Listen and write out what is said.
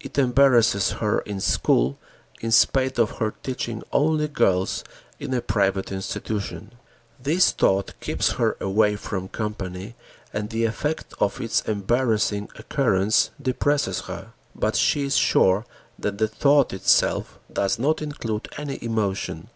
It embarrasses her in school, in spite of her teaching only girls in a private institution. This thought keeps her away from company and the effect of its embarrassing occurrence depresses her, but she is sure that the thought itself does not include any emotion.